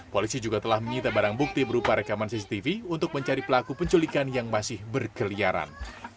polisi juga telah menyita barang bukti berupa rekaman cctv untuk mencari pelaku penculikan yang masih berkeliaran